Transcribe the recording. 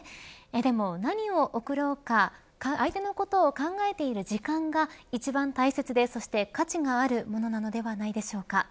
でも何を贈ろうか相手のことを考えている時間が一番大切で、そして価値があるものなのではないでしょうか。